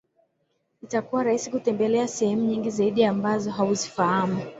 Itakuwa rahisi kutembelea sehemu nyingi zaidi ambazo hauzifahamu